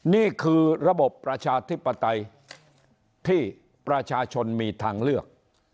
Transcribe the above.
นี่คือระบบประชาธิปไตยที่ประชาชนมีทางเลือก